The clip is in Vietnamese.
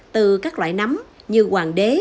từ các loại nấm như hoàng đê